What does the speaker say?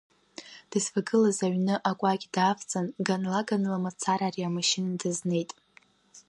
Дызвагылаз аҩны акәакь даавҵын ганла-ганла мацара ари амашьына дазнеит.